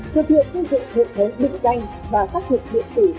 thực hiện xây dựng hệ thống định danh và xác nhận điện tử tk